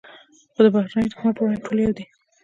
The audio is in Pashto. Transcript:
خو د بهرني دښمن پر وړاندې ټول یو دي.